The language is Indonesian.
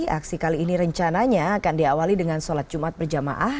aksi kali ini rencananya akan diawali dengan sholat jumat berjamaah